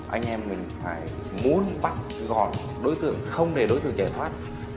anh em mình phải muốn bắt giữ gọn đối tượng không để đối tượng chạy thoát